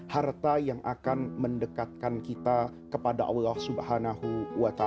harta yang akan mendekatkan kita kepada allah swt